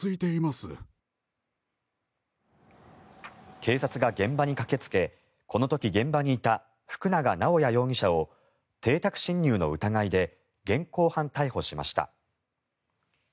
警察が現場に駆けつけこの時、現場にいた福永直也容疑者を邸宅侵入の疑いで現行犯逮捕しました。